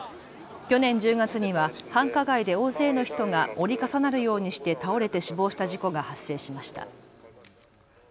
去年１０月には繁華街で大勢の人が折り重なるようにして倒れて死亡した事故が発生しました。